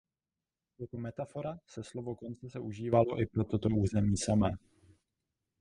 Jako metafora se slovo koncese užívalo i pro toto území samé.